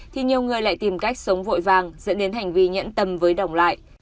thì nhiều người lại tìm cách sống vội vàng dẫn đến hành vi nhẫn tầm với đồng lại